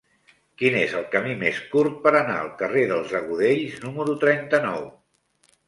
Quin és el camí més curt per anar al carrer dels Agudells número trenta-nou?